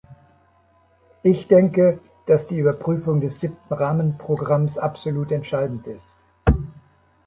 Ich denke, dass die Überprüfung des Siebten Rahmenprogramms absolut entscheidend ist.